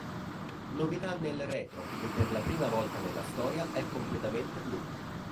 Novità nel retro che per la prima volta nella storia è completamente blu.